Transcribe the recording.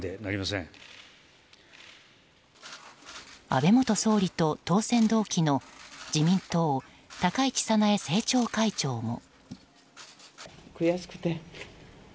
安倍元総理と当選同期の自民党、高市早苗政調会長も。